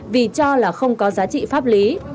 vì cho là không có giá trị pháp lý